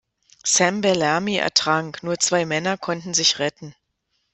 Sam Bellamy ertrank, nur zwei Männer konnten sich retten.